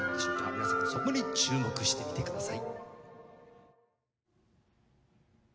皆さんそこに注目してみてください。